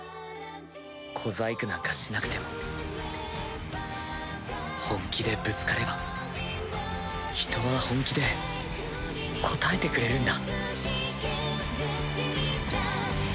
小細工なんかしなくても本気でぶつかれば人は本気で応えてくれるんだ。